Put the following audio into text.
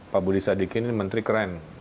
pak budi sadikin ini menteri keren